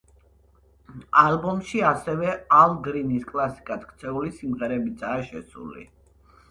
ალბომში ასევე, ალ გრინის კლასიკად ქცეული სიმღერებიცაა შესული.